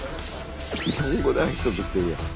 日本語で挨拶してるやん。